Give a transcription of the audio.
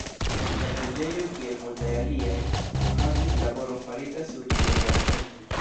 La preĝejo, kiel multaj aliaj, havis laboron farita sur ĝi dum jarcentoj.